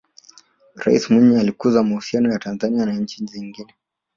raisi mwinyi alikuza mahusiano ya tanzania na nchi zingine